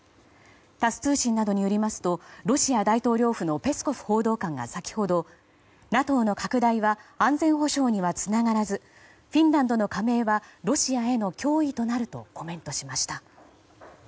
タス通信などによりますとロシア大統領府のペスコフ報道官が先ほどＮＡＴＯの拡大は安全保障にはつながらずフィンランドの加盟はロシアへの脅威となるとコメントしました。